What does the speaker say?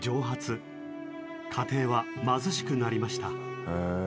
家庭は貧しくなりました。